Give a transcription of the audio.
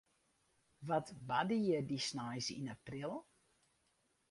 Wat barde hjir dy sneins yn april?